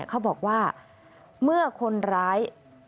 เขาบอกว่าเมื่อคนร้าย